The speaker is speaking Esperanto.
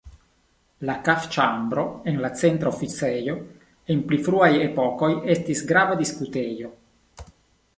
La kafĉambro en la Centra Oficejo en pli fruaj epokoj estis grava diskutejo.